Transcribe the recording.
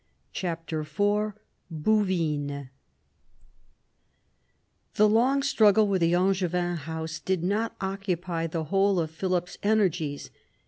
CHAPTER IV BOUVINES The long struggle with the Angevin house did not occupy the whole of Philip's energies.